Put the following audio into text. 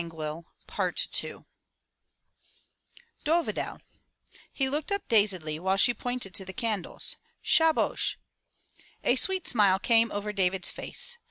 191 M Y BOOK HOUSE *'Dovidel/' he looked up dazedly while she pointed to the candles. ''Shahhosr A sweet smile came over David's face.